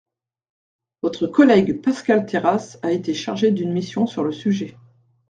Votre collègue Pascal Terrasse a été chargé d’une mission sur le sujet.